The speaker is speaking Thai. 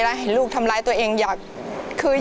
รายการต่อไปนี้เป็นรายการทั่วไปสามารถรับชมได้ทุกวัย